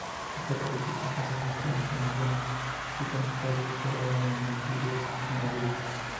Esta característica se ha visto en embriones de titanosaurios, pero no en individuos adultos.